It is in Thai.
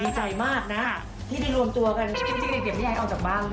ดีใจมากนะที่ได้รวมตัวกันจริงจะเอาจากบ้านเลย